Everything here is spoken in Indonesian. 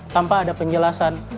tanpa ada penjelasan